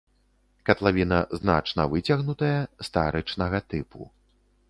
Катлавіна значна выцягнутая, старычнага тыпу.